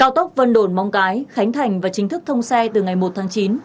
cao tốc vân đồn mong cái khánh thành và chính thức thông xe từ ngày một tháng chín